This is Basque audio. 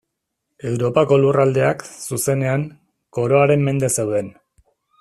Europako lurraldeak, zuzenean, Koroaren mende zeuden.